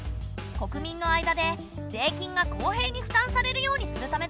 国民の間で税金が公平に負担されるようにするためだ。